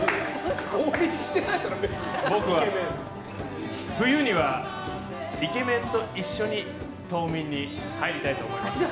僕は、冬にはイケメンと一緒に冬眠に入りたいと思います。